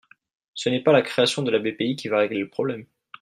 Ce n’est pas la création de la BPI qui va régler le problème.